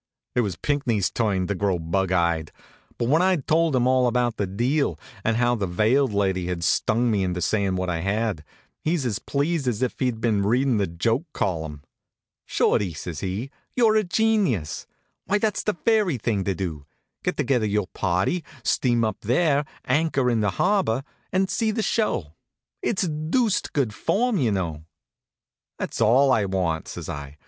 It was Pinckney's turn to grow bug eyed; but when I'd told him all about the deal, and how the veiled lady had stung me into sayin' what I had, he's as pleased as if he'd been readin' the joke column. "Shorty," says he, "you're a genius. Why, that's the very thing to do. Get together your party, steam up there, anchor in the harbor, and see the show. It's deuced good form, you know." "That's all I want," says I.